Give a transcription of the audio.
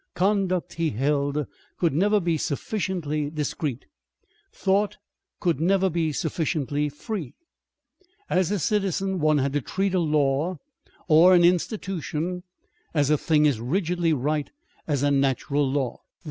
Conduct, he held, could never be sufficiently discreet, thought could never be sufficiently free. As a citizen, one had to treat a law or an institution as a thing as rigidly right as a natural law.